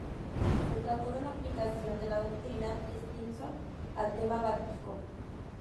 Se trató de una aplicación de la doctrina Stimson al tema báltico.